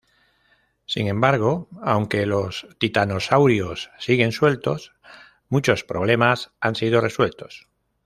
Sin embargo, aunque los titanosaurios siguen sueltos, muchos problemas han sido resueltos.